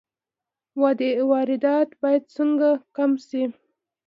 واردات باید څنګه کم شي؟